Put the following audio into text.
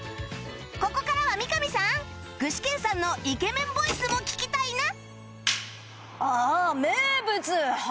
ここからは三上さん具志堅さんのイケメンボイスも聞きたいな